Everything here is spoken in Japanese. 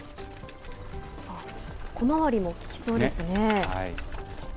あっ、小回りも利きそうですね。